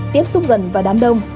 tiếp xúc gần và đám đông